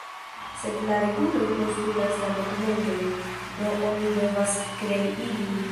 Sed la reguloj postulas la dokumentojn, do oni devas krei ilin.